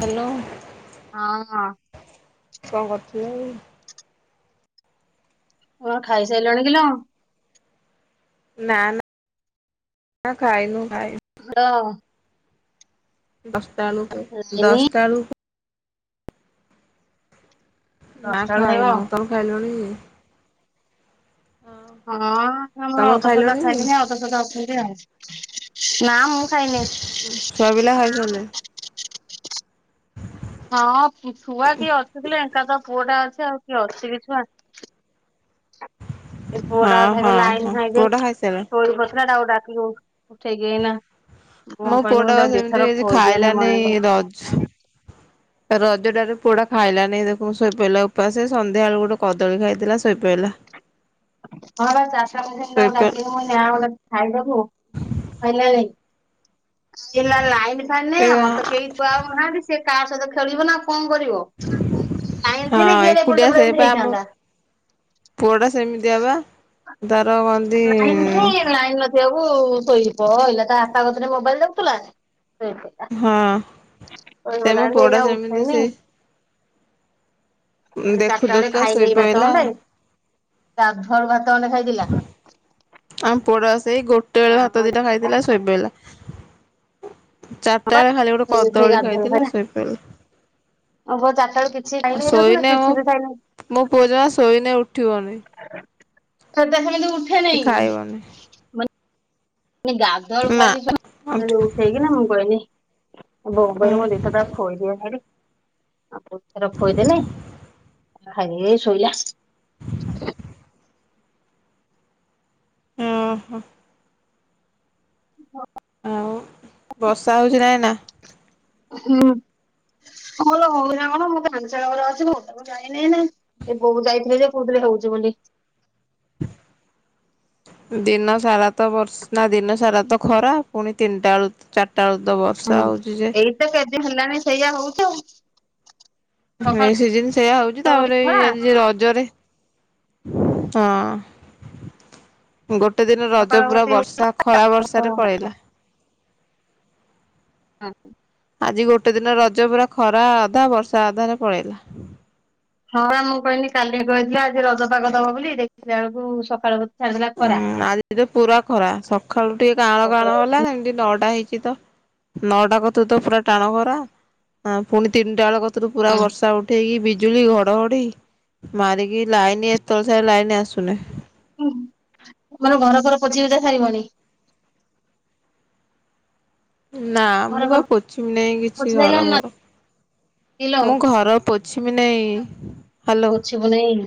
Hello ହଁ କଁ କରୁଥିଲେ [unintelligible] କଣ ଖାଇସାଇଲଣି କିଲ? ନା ନା ଆ ଖାଇନୁ ଖାଇ [unintelligible] ଦଶଟା ଆଳୁକୁ ଯାଇନି ଦଶଟା ଆଳକୁ ନା ଦଶଟା ବେଳୁ ଖାଇବ। ଖାଇନୁ ତମେ ଖାଇଲଣି? ହଁ ଆମର ତମର ଅଧସଜା ଖାଇଲଣି ଖାଇଲେଣି ଅଧସଜା ଅଛନ୍ତି ଆଉ ନା ମୁଁ ଖାଇନି। ଛୁଆ ପିଲା ଖାଇସାଇଲେ? ହଁ ଛୁଆ କିଏ ଅଛି କି କିଲୋ ଏଙ୍କା ତ ପୁଅଟା ଅଛି ଆଉ କିଏ ଅଛି କି ଛୁଆ। ଏ ପୁଅଟା ହଁ ଅଧେ ଏବେ ହଁ ଲାଇନ୍ ହଁ ନାହିଁ ଯେ ପୁଅଟା ଖାଇସାରିଲାଣି ଶୋଇ ପଡିଥିଲା ତାକୁ ଡାକି ଉଠେଇକି ଏଇନା ମୁଁ ମୋ କହିଲି ମୁଁ ପୁଅଟା ବା ତାକୁ ଦିଥର ସେମିତି ଆଜି ଖୋଇଦିଅନି ଖାଇଲାନି ମନା କରୁଛି ରଝ୍ ରଜଟାରେ ପୁଅଟା ଖାଇଲାନି ଦେଖୁ ଶୋଇପଇଲା ଉପାସେ ସନ୍ଧ୍ୟା ଆଳୁ ଗୋଟେ କଦଳୀ ଖାଇଥିଲା ଶୋଇ ପଇଲା। ହଁ ବା [unintelligible] ଯା ଶୋଇପଇଲା ଗୋଟେ ଖାଇବାକୁ ଖାଇଲାଣି କଇଲା ଲାଇନି ଏ [unintelligible] ମତେ କେଇ ହଁ ଛୁଆ ଆଉ ନାହାନ୍ତି ସେ କା ସହିତ ଖେଳିବ ନା କଁ କରିବ। ଲାଇନ୍ ଥିଲେ କିଏ ହେଲେ ଏପଟ ସେପଟ ଏମିତି ହେଇଥାନ୍ତା। ପୁଅ ଟା ସେମିତିଆ ପା ତାର କନ୍ତି ଇମ୍ ଝିଅକୁ ଶୋଇପଇଲା ତା ବାପା ଗତିରେ ମୋବାଇଲ୍ ଦେଖୁଥିଲା ଶୋଇପଇଲା। ହଁ ସେ ଶୋଇପଇଲା ମୋ ଯେ ପୁଅ ଏଇନା ଟା ସେମିତି ଉଠେଇନି ସେ ଦେଖୁ ଚାରିଟା ବେଳେ ଦେଖୁକା ଖାଇନି ଭାତ ଶୋଇପଇଲା। ଗଣ୍ଡେ ଗାଧୁଆ [unintelligible] ଭାତ ଗଣ୍ଡେ ଖାଇଥିଲା। ଆମ ପୁଅଟା ବା ସେଇ ଗୋଟେ ବେଳେ ଭାତ ଆଉ ଦିଟା ଖାଇଥିଲା ଶୋଇପଇଲା। ଚାର୍ ଟା ଏଳେ ଖାଲି ଗୋଟେ ସେ କଦଳୀ ଖାଇଥିଲା ଶୋଇପଇଲା। ଓହୋ ଚାର୍ ଟା ଏଳେ କିଛି ବି ଖାଇ ଆଉ [unintelligible] ନା ଶୋଇନେ ମୋ କିଛି ବି ଖାଇନି। ମୋ ପୁଅ ଜମା ଶୋଇନେ ଉଠିବନି। ସେଟା ସେମିତି ଉଠ୍ କି ଖାଇବନି। ଏ ଗାଧୁଆ ଆଳୁ ନା ଖାଇ ଦେଇଚନା ଉଠି ସେଇଟୁ ଉଠେଇ କିନା ମୁଁ କଇନି। ବୋଉଙ୍କୁ ହଁ କାଲି ମୁଁ ଦି [unintelligible] ଖୋଇଦିଏ ନେଇକି। ଆଉ ପୁଥର ଖୋଇଦେଲେ ଖାଇ ଏ ଶୋଇଲା। ଉଁ ହଁ। ହଁ ପା। ଆଉ ବର୍ଷା ହଉଚି ନା ଏଇନା? ହୁଁ ମୋର ହଉଚି [unintelligible] ଯାଇନି ଏନା ଏ ବୋଉ ଯାଇଥିଲେ ଯେ କହୁଥିଲେ ହଉଚି ବୋଲି। [inaudible] ଦିନ ସାରା ତ ବର୍ଷ୍ ନା ଦିନ ସାରା ତ ଖରା ପୁଣି ତିନିଟା ଆଳୁ ଚା ଟାଉତ ହୁଁ। ବର୍ଷା ହଉଛି ଯେ ଏଇ ତ ଯଦି ହେଲାଣି ସେଇଆ ହଉଛି ଆଉ। ସକାଳ ହେଇ ସିଜିନ ସେଇୟା ହଉଛି ତାପରେ ଖରା ଏଇ ରଜରେ ହଁ। ଗୋଟେ ଦିନ ରଜ ସକାଳ ପୁରା କତି ବର୍ଷା ଖରା ବର୍ଷାରେ ପଳେଇଲା। ହଁ କି? ଆଜି ଗୋଟେ ଦିନ ରଜ ପୁରା ଖରା ଅଧା ବର୍ଷା ଅଧାରେ ପଳେଇଲା। ହଁ ବା ମୁଁ କହିଲି କାଲି ରଜ ଆଜି ରଜପାଗ ଦବ ବୋଲି ଦେଖିଲା ବେଳକୁ ସକାଳୁ ଉୁଁ ଆଜି ତ ପୁରା ଖରା ସକାଳୁ ଟିକେ କାଁଳ କାଳ ହେଲା ସେମିତି ନଅଟା ହେଇଛି ତ ନଅଟା ଗତିରୁ ତ ପୁରା ଟାଣ ଖରା ପୁଣି ତିନିଟା ବେଳ ଗତିରୁ ପୁରା ବର୍ଷା ଉଠ ଉଠେଇକି ବିଜୁଳି ଘଡଘଡି ମାରିକି ଲାଇନ ଏତଳ ଜାଙ୍କେ ଲାଇନ ଆସୁନି। ହୁଁ ମର ଘର ଫର ପୋଛି ସାରିବନି। ନା ମୁଁ ଘର ବା ଫର ପୋଚମି ନାଇଁ ପୋଛି କିଛି ଘର ସାଇଲଣି ନା ଫର। କିଲୋ ମୁଁ ଘର ପୋଛିମି ନାଇଁ। ହ୍ୟାଲୋ। ପୋଛିବୁ ନାଇ।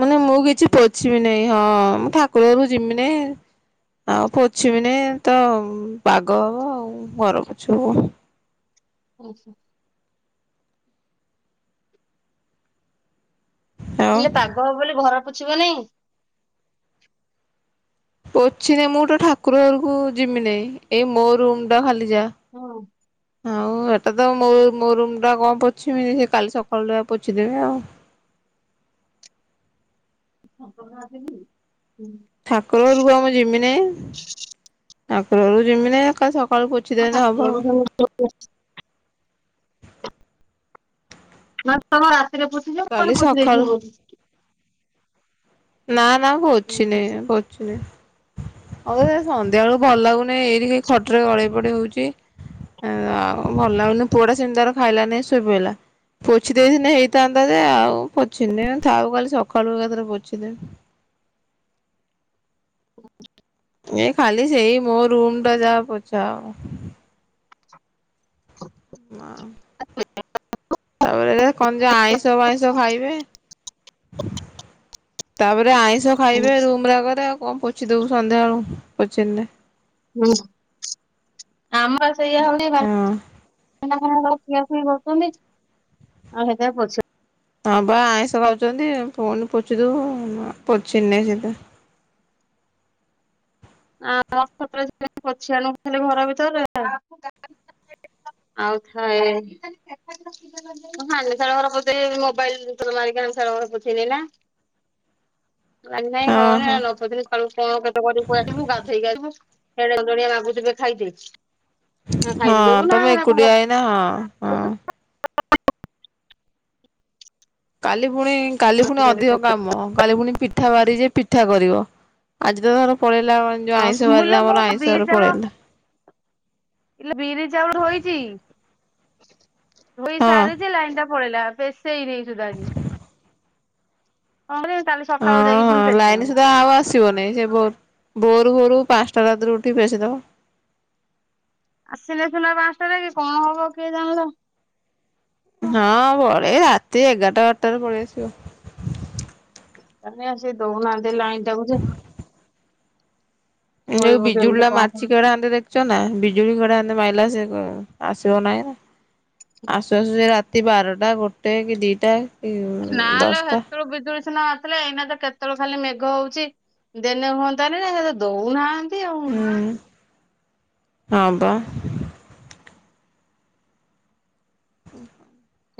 ମାନେ ମୁଁ କିଛି ପୋଛିବି ନାଇ ହଁ ମୁଁ ଠାକୁର ଘରକୁ ଯିବି ନାଇଁ। ଆଉ ପୋଛିବି ନାଇ ତ ପାଗ ହବ ଆଉ ଘର ପୋଛ ହବ। ଆଚ୍ଛା। ଆଉ ହେଲେ ପାଗ ହବ ବୋଲି ଘର ପୋଛିବୁନି? ପୋଛି ନାଇଁ ମୁଁ ତ ଠାକୁର ଘରକୁ ଯିବିନି ଏଇ ମୋ ରୁମ୍ ଟା ଖାଲି ଯା ହଁ। ଆଉ ଏଟା ତ ମୋ ମୋ ରୁମ ଟା କଣ ପୋଛିିବି ସେ କାଲି ସକାଳୁ ଯା ପୋଛିଦେବି ଆଉ। ଅପର୍ଣ୍ଣା ଆସିନି? ଠାକୁର ଘରକୁ ବା ମୁଁ ଜିମିି ନାଇ ଠାକୁର ଘରକୁ ଯିମି ନାଇ କାଲି ସକାଳ ହଁ ଠାକୁର ଘରକୁ [unintelligible] ମ ତମ ରାତିରେ ପୋଛି ଦବୁ କାଲି କଣ ପୋଛି ଦେଇ ସକାଳୁ [unintelligible] ନା ନା ପୋଛିନି ହୁଁ ପୋଛିବି। ହଉ ଏଇ ସନ୍ଧ୍ୟା ବେଳୁ ଭଲ ଲାଗୁନି ଏଇଠି ଖଟରେ ଗଳେଇ ପଡେଇ ହଉଛି ଏ ଆଉ ଭଲ ଲାଗୁନି ପୁଅ ଟା ସେମିତି ତାର ଖାଇଲାନି ଶୋଇ ପଇଲା। ପୋଛି ଦେଇଥିନେ ହେଇଥାନ୍ତା ଯେ ଆଉ ପୋଛିନି ଥାଉ କାଲି ସକାଳୁ ଏକାଥରେ ପୋଛି ଦେବି। ଏ ଖାଲି ସେଇ ମୋ ରୁମ୍ ଟା ଯାହା ପୋଛା ହବ। ହ ଆଉ ତାପରେ କ ଯେ ଆଇଁଷ ଫାଇଁଷ ଖାଇବେ? ତାପରେ ଆଇ ଷ ଖାଇବେ ରୁମ ଗୁରା କରେ ଆଉ କଣ ପୋଛିଦବୁ ସନ୍ଧ୍ୟାବେଳୁ ପୋଛିଲେ ଆମର ସେୟା ଏଇ ହଉନି ରାତ ହଁ। [unintelligible] ଖିଆ ଖୁଇ କରୁଛନ୍ତି ଆଉ ହେତି ପାଇ ପଚରିଲିନି। ହଁ ବା ଆଇଁଷ ଖାଉଛନ୍ତି ପୁଣି ପୋଛି ଦବୁ ପୋଛିନି ସେଥି ପାଇଁ ଆ [unintelligible] ଆଣି ଖାଲି ଘର ଭିତରେ ଆଉ ଥାଏ ହଁ ହାଣ୍ଡି ଶାଳ ଘର ପୋଛି ଦେଇ ମୋବାଇଲ ଦି ଥର ମାରିକି ହାଣ୍ଡି ଶାଳ ଘର ପୋଚିକିନା। ହୁଁ [unintelligible] ଅ ଆଜି ନାଇଁ କଣ [unintelligible] କଣ କେତେ କରିବୁ? କୁଆ ଆସିବୁ ଗାଧେଇକି ଆସିବୁ [unintelligible] ମାଗୁଥିବେ ଖାଇଦିଏ ହଁ ତମେ ଏକକୁଟିଆ ଏଇନା ହଁ ହଁ। ପୋଛିବୁ କାଲି ପୁଣି କାଲି ପୁଣି ଅଧିକ କାମ କାଲି ପୁଣି ପିଠା ବାରି ଯେ ପିଠା କରିବ ଆଜି ତ ଧର ପଳେଇଲା ଯଉ ହଁ ଆଇଁଷ ବାରରେ ମୁଁଲୋ ମୁଁ ଆମର ଆଇଁଷ ବିରି ରେ ଚାଉଳ ପଳେଇଲା। ଇଲୋ ବିରି ଚାଉଳ ଧୋଇଚି ଧୋଇ ହଁ। ସାରିଚି ଲାଇନ୍ ଟା ପଳେଇଲା ପେ ପେଇ ଦେଇଚୁ ତ ଆଜି [unintelligible] ଓ ହଁ ଲାଇନ୍ ସୁଧା ଆଉ ଆସ ଆସିବ ନେହିଁ ସେ ଭୋରୁ ଭୋରୁ ପାଞ୍ଚଟା ରାତିରୁ ଉଠି ପେଶିଦବ। ଆସିଲେ ସିନା ପାଞ୍ଚଟାରେ କି କଣ ହବ କିଏ ଜାଣିଲା। ହଁ ପଳେଇ ରାତି ଏଗାରଟା ବାରଟାରେ ପଳେଇ ଆସିବ। କାଇଁ ଆଉ ସେ ଦଉ ନାହାନ୍ତି ଲାଇନ୍ ଟା କୁ ଯେ ଯୋଉ ଶୋଇବୁ ବିଜୁଳି କେମିତି ଲା କଣ ମାରିଚି କରିବୁ କେଡେ ହାନ୍ତେ ଦେଖ ଯା ଚନା ବିଜୁଳି କେଡେହାନ୍ତେ ମାଇଲା ସେ ଆସିବ ନା ଏଇନା ଆସୁ ଆସୁ ସେ ରା ରାତି ବାରଟା ଗୋଟେ କି ଦିଟା। କି ନାଁ ଲୋ ଦଶଟା ହେତଳୁ ବିଜୁଳି ସିନା ହେଲେ ଏଇନା ତ କେତଳେ ଖାଲି ମେଘ ହଉଚି ଦେନେ ହୁଅନ୍ତାନି ଦଉନାହାନ୍ତି। ଆଉ ହୁଁ ହଁ ପା।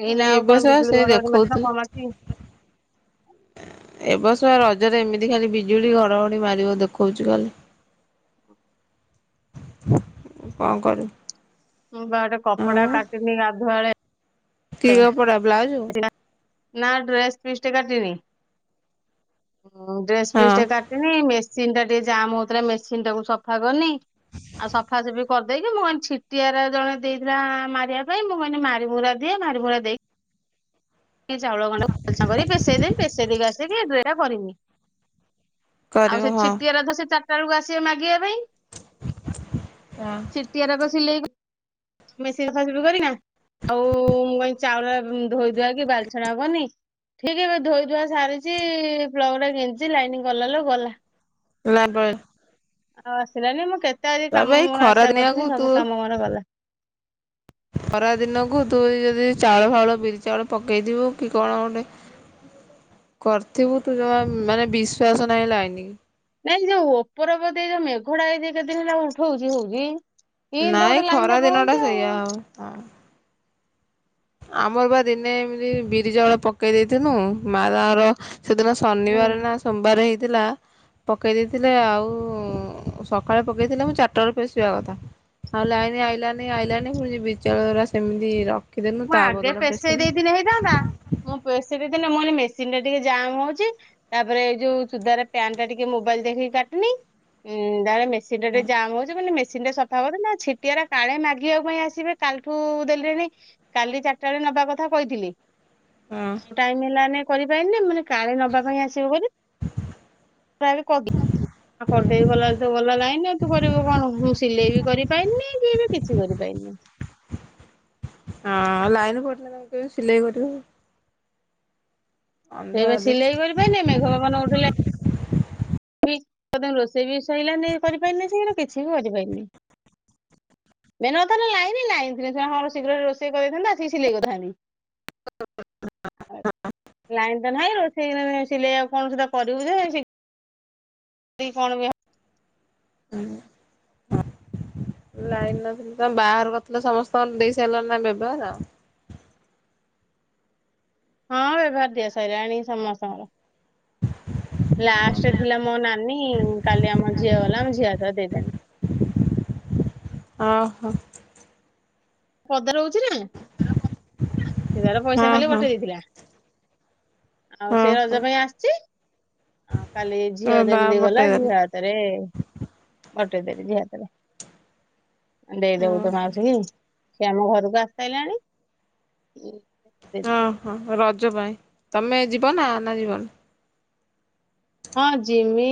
ଏଇନା ଏ ଆଉ କଣ ବସ ବିଜୁଳି ସେ ଘଡଘଡି ମାରିଥିଲା କଣ ମାରିଛି ଦେଖଉଥିଲେ। ଏ ବର୍ଷ ରଜରେ ଏମିତି ଖାଲି ବିଜୁଳି ଘଡଘଡି ମାରିବ ଦେଖଉଚି ଖାଲି। କଣ କରିବୁ। ମୁଁ ବା ଗୋଟେ ଆଉ କପଡା କାଟିନି ଗାଧୁଆଳେ। କି କପଡା ବ୍ଲାଉଜ ହଁ ନା ଡ୍ରେସ ପିସ୍ ଟେ କାଟିିନି। ଡ୍ରେସ୍ ପିସ୍ ଟେ କାଟିନି ମେସିନ ଟା ଟିକେ ଜାମ୍ ହଉଥିଲା ମେସିନ୍ ଟାକୁ ସଫା କନି। ଆଉ ସଫା ସଫି କରିଦେଇକି ମୁଁ କହିନି ଛିଟିଆର ଜଣେ ଦେଇଥିଲା ମାରିବା ପାଇଁ ମୁଁ କହିଲି ମାରିମୁରା ଦିଏ ମାରିମୁରା ଦେଇକି ଚାଉଳ ଖଣ୍ଡ ପେସେଇଦମି ପେସେଇ ଦେଇକି ଆସିକି ଦୁଟା କରିନି। ଆଉ କରିବ ସେ ହଁ। ଛିଟିଆ ରତ ସେ ଚାରିଟା ବେଳକୁ ଆସିବ ମାଗିବା ପାଇଁ। ହ ସିଟିଆରକ ସିଲେଇ ମେସିନ୍ ଖାସ ବି କରନା। ହଉ ମୁଁ କହିଲି ଚାଉଳ ଧୋଇଧୁଆକି ବାଲିଛଣା କନି। ଠିକ୍ ଏବେ ଧୋଇ ଧୁଆ ସାରିଚି ପ୍ଲଗ ଟା ଗେଞ୍ଜିଚି ଲାଇନି ଗଲା ଲୋ ଗଲା। ଲାଇନ ପଳେ ଆଉ ଆସିଲାନି ମୁଁ କେତେ ଆଜି ତାପରେ କାମ ଏଇ ମୋର ଖରା ଆଶା ଦିନିଆକୁ କରିଥିଲି ତୁ ସବୁ କାମ ମୋର ଗଲା। ଖରା ଦିନକୁ ତୁ ଯଦି ଚାଉଳ ଫାଉଳ ବିରି ଚାଉଳ ପକାଇଦିବୁ କି କଣ ଗୋଟେ କରିଥିବୁ ତୁ ଜମା ମାନେ ବିଶ୍ୱାସ ନାହିଁ ଲାଇନି କି। ନାଇଁ ଯୋଉ ଉପର ବଦେଇ ଯୋଉ ମେଘ ଟା ଏ କେତେ ଦିନ ହେଲା ଉଠୁଚି ହଉଚି ନାଇଁ ଖରା ଦିନ ଟା ସେଇୟା ଆଉ ହଉ। ଆମର ବା ଦିନେ ଏମିତି ବିରି ଚାଉଳ ପକେଇ ଦେଇଥିନୁ ମା ତାଙ୍କର ସେଦିନ ଶନିବାରେ ହୁଁ। ନାଁ ସୋମବାର ହେଇଥିଲା। ପକେଇ ଦେଇଥିଲେ ଆଉ ସକାଳେ ପକେଇଥିଲେ ମୁଁ ଚାରିଟା ବେଳକୁ ପେସିବା କଥା। ଆଉ ଲାଇନ୍ ଆଇଲାନି ଆଇଲାନି ପୁଣି ବିଚଳା ସେମିତି ରଖିଦେନୁ ମୁଁ ତା ଆଗେ ପରଦିନ ପେସେଇ ପେଶିଲୁ। ଦେଇଥିଲେ ହେଇଥାନ୍ତା ମୁଁ ପେଶି ଦେଇଥିଲି ମୁଁ ଟିକେ ମେସିନ ଟିକେ ଜାମ୍ ହଉଛି। ତାପରେ ଏଇ ଯୋଉ ସୁଧାର ପ୍ୟାଣ୍ଟ୍ ଟା ଟିକେ ମୋବାଇଲ ଦେଖିକି କାଟନି ଉଁ ତାପରେ ମେ ସେ ଟା ଟିକେ ଜାମ୍ ହଉଚି ମାନେ ମେସିନ୍ ଟା ସଫା ତା ବଧେ ନାଁ ଛିଟିଆରେ କାଳେ ମାଗିବା ପାଇଁ ଆସିବେ କାଲିଠୁ ଦେଲିଣି। କାଲି ଚାଟା ବେଳେ ନବା କଥା କହିଥିଲି। ହଁ। ଆଉ ଟାଇମ ହେଲାନି କରି ପାଇଲିନି ମୁଁ କଇଲି କାଳେ ନବା ପାଇଁ ଆସିବେ ବୋଲି। ପ୍ରାୟ ଏବେ କ ଆଉ କରିଦେଇ ଗଲା ବେଳକୁ ତ ଗଲା ଲାଇନ ଆଉ ତୁ କରିବୁ କଣ ମୁଁ ସିଲେଇ ବି କରିପାରିନି କି ବି କିଛି କରିପାଇଲିନି। ହଁ ଆଉ ଲାଇନ କଟିଲେ ତମେ କେମତି ସିଲେଇ କରିବ। ଅନ୍ଧ ସେଇ ବା ହେଲେ ସିଲେଇ କରିପାଇଲିନି ଏଇ ମେଘ ପବନ ଉଠେଇ ଲାଇଁ। କି ତୋ ପାଇଁ ରୋଷେଇ ବି ସଇଲାନି କରିପାରିନି ଶୀଘ୍ର କିଛି ବି କରିପାଇଲିନି। ମେନ କଥା ହେଲା ଲାଇନ ଲାଇନ ଥିଲେ ସିନା ହଁ ଶୀଘ୍ର ରୋଷେଇ କରି ଦେଇଥାନ୍ତି ଆସିକି ସିଲେଇ କରିଥାନ୍ତି। ହଁ ହ ଲାଇନ୍ ତ ନାହିଁ ରୋଷେଇ ଏ ସିଲେଇ ଆଉ କଣ ତୁ ତ କରିବୁ ଯେ। ରାତି କି କଣ ବି ହ ହୁଁ। ଲାଇନ ନଥିଲେ ତମେ ବାହାଘର କରିଥିଲ ସମସ୍ତଙ୍କର ଦେଇ ସାରିଲଣି ଣା ବେଭାର। ହଁ ବେଭାର ଦିଆ ସଇଲାଣି ସମସ୍ତଙ୍କର। ଲାଷ୍ଟରେ ଥିଲା ମୋ ନାନୀ କାଲି ଆମ ଝିଅ ଗଲା ଆମ ଝିଅ ହାତରେ ଦେଇଦେନି। ଅ ହ। ପଦାରେ ରହୁଛି ନା ସେ ତାର ପଇସା ହଁ ଖାଲି ହଁ ପଠେଇ ଦେଇଥିଲା। ଆଉ ହଁ ସେ ହଁ ରଜ ପାଇଁ ଆସିଛି। ଆ କାଲି ଝିଅ ହଁ ତା ଯେମିତି ଗଲା ପଠେଇଦେଲି ଝିଅ ହା ତେରେ ପଠେଇ ଦେଲି ଝିଅ ହାତରେ। ଦେଇଦବୁ ହଁ ତୋ ମାଉସିକି ସିଏ ଆମ ଘରକୁ ଆସି ସାରଲାଣି ଦେଇ ଦବୁ। ହଁ ହଁ ରଜ ପାଇଁ ତମେ ଯିବ ନା ନା ଯିବନି। ହଁ ଜିମି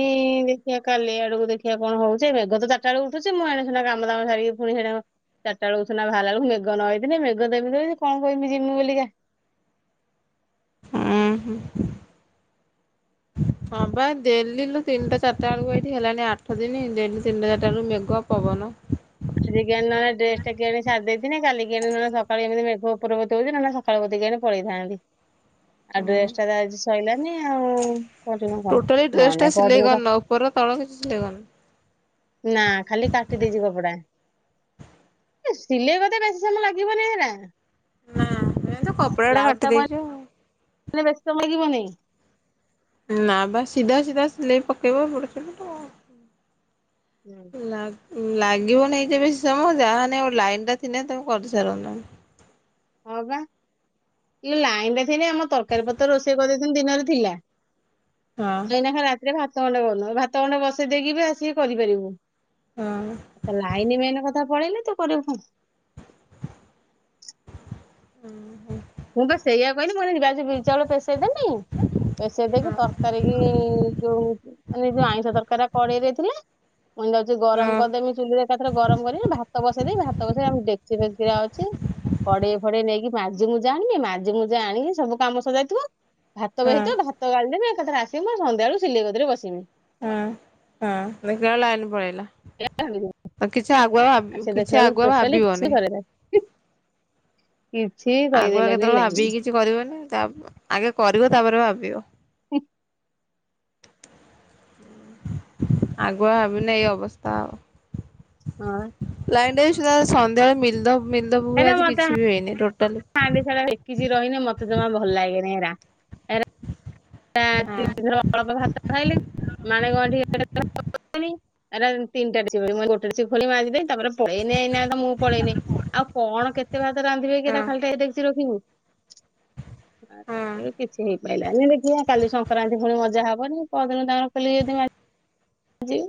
ଦେଖିବା କାଲି ଆଡେକୁ ଦେଖିବା କଣ ହଉଛି ଏ ମେଘ ତ ଚାରିଟା ବେଳ ଉଠୁଛି ମୁଁ ଏଣେ ସେତେ କାମ ଦାମ ସାରିକି। ପୁଣି ସେଇଟା କୁ ଚାରିଟା ବେଳକୁ ସିନା ବାହାରିଲା ବେଳକୁ ମେଘ ନ ହେଇଥିଲି ମେଘ ତ ଏମିତି କଣ କହିବି ଯିମି ବୋଲିକା। ଉଁ ହଁ। ହଁ ବା ଡେଲି ଲୋ ତିନିଟା ଚାରିଟା ବେଳକୁ ଏଇଠି ହେଲାଣି ଆଠ ଦିନ ଡେଲି ତିନଟା ଚାରିଟା ବେଳକୁ ମେଘ ପବନ। ଆଜିି କେମତି ନହେଲେ ଡ୍ରେସ ଟା କି ଆଣି ସାରିଦେଇଥିନି କାଲିି କି ନହେଲେ ସକାଳେ ଏମିତି ମେଘ ଉପରକୁ ଉଠଉଛି। ସଖାଳୁ କତିକି ଜଣେ ପଳେଇଥାନ୍ତି ଆଉ ହୁଁ ଡ୍ରେସ ଟା ତ ଆଜି। ସଇିଲାନି ଆଉ କରିବ କଣ ନ ନାଇ ପଅରଦିନ ସ ଓପର ତଳ କିଛି ସିଲେଇ କରିନ। ନା ଖାଲି କାଟି ଦେଇଛି କପଡା। ଏ ସିଲେଇ ମତେ ବେଶୀ ସମୟ ଲାଗିବନି ହେରା। ହୁଁ ମେନ ତ କପଡାଟା ବ୍ଲାଉଜ ଟା କାଟି କଣ ଦେଇଛ। ଆଉ। ମାନେ ବେସି ସମୟ ଲାଗିବନି। ନା ବା ସିଧା ସିଧା ସିଲେଇ ପକେଇବ ଏପଟ ସେପଟ। ହୁଁ। ଲା ଲାଗିବ ନାହିଁ ଯେ ବେସି ସମୟ ଯାହେନେ ଗୋଟେ ଲାଇନ୍ ଟା ଥିଲେ ତମେ କରିସାରନ୍ତଣି। ହଁ ବା ଇଏ ଲାଇନ ଟା ଥିଲେ ଆମ ତରକାରୀ ପତ୍ର ରୋଷେଇ କରିଦେଇ ଥିଲି ଦିନରେ ଥିଲା। ହଁ ଏଇନା ଖାଲି ରାତିରେ ଭାତ ଗଣ୍ଡେ କରୁନୁ ଏ ଭାତ ଖଣ୍ଡେ ବସେଇ ଦେଇକି ବି ଆସିକି କରିପାରିବୁ। ହଁ ଏ ତ ଲାଇନ ମେନ କଥା ପଳେଇଲି ତୁ କରିବୁ କଣ। ହୁଁ। ମୁଁ ବା ସେଇଆ କହିଲି ମୁଁ କହିଲି ଯାଉଛି ବିରି ଚାଉଳ ପେଶେଇ ଦେମି ପେସେଇ ଦେଇକି ତର ତରକାରୀ କି ଯୋଉ ଏ ଯୋଉ ଆଇଁଷ ତରକାର ରା କଡେଇରେ ଥିଲେ। ମୁ ଯାଉଛି ହଁ ଗରମ କରିଦେମି ଚୁଲି ଏକାଥରେ ଗରମ କରିକି ଭାତ ବସେଇଦବି ଭାତ ବସେଇ ଆଉ ମୁଁ ଦେଖ ସେରା ଅଛି କଡେଇ ଫଡେଇ ନେଇକି ମାଜି ମୁ ଜାଣିନି ମାଜି ମାଜି ଆଣିକି ସବୁ କାମ ସଜାଇଥିବ ଭାତ ହଁ ବହିଥିବ ଭା ତ କାଲିି ଏକାଥରେ ଆସିବ ଆ ସନ୍ଧ୍ୟାବେଳୁ ସିଲିଗଦିରେ ବସିବି। ହଁ ହଁ ନି ଲାଇନ୍ ପଳେଇଲା। [inaudible] କିଛି ଆଗୁଆ ସେ କିଛି ଦେଖିଲା ବେଳକୁ ଆଗୁଆ ଟୋଟାଲି କିଛି ଭାବିବନି। କରେନା କିଛି ଆଗୁଆ କରିଦେଲାନି କେତେବେଳେ ଭାବିକି ଲାଇନ୍। କିଛି କରିବନି ଆଗେ କରିବ ତାପରେ ଭାବିବ? ହୁଁ। ଆଗୁଆ ଭାବିନେ ଏଇ ଅବସ୍ଥା ହବ। ହଁ। ଲାଇନ ନାଇଁ ସନ୍ଧ୍ୟାବେଳେ ଦିଲଦବୁ ଆଜି କିଛି ବି ହେଇନି ଟୋଟାଲି [unintelligible] ହେକି ରହନେ ମତେ ଜମା ଭଲ ଲାଗେନି ହେରା। ହଁ। ର ଅଳ୍ପ ଭାତ ଖାଇଲି। ମାଣେ ଗଣ ଟିକି ତିନିଟ ଗୋଟ ଖ ମାଜିଦ ତାପରେ ପଳେଇଲାନି ନା ମୁଁ ପଳେଇନି ଆଉ କଣ କେତେ ଭାତ ରାନ୍ଧିବେ କି ଏଟା ହଁ ଖାଲି ଟା ଦେଖିଛି ରଖିବୁ? ହଁ ଏବେ କିଛି ହେଇପାରିଲାନି। ଦେଖିବା କାଲି ସଂକ୍ରାନ୍ତି ପୁଣି ମଜା ହବନି ପରଦିନ କାଲି ଯଦିି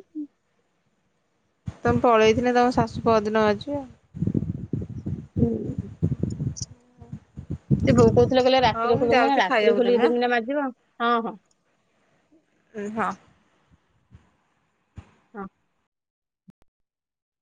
ତମେ ପଳେଇଥିଲ ତମ ଶାଶୁ ପଅର ଦିନ [unintelligible] ହୁଁ। ହୁଁ। ସେ ବୋଉ କହୁଥିଲେ କହିଲେ ରାତିରେ ଖୋଲ ମୁୁ ରାତିରେ ଖୋଲିକି ଦେମି ନା ମାଜିବ ଆ ହଁ ହଁ। ହୁଁ ହଁ। ହଁ।